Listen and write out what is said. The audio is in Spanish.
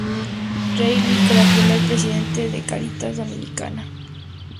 Reilly como primer presidente de Cáritas Dominicana.